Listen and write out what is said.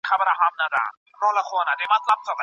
زه به بیا هیڅکله دا سفر هېر نه کړم.